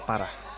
mobil rusak parah